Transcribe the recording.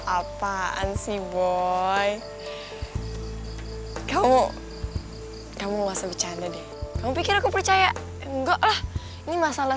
apaan sih boy kamu kamu masa bercanda deh kamu pikir aku percaya enggaklah ini masalah